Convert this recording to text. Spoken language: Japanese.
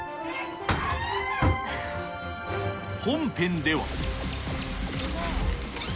本編では。